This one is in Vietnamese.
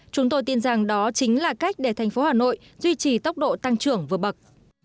chúng tôi tin rằng đó chính là cách để thành phố hà nội duy trì tốc độ tăng trưởng vừa bậc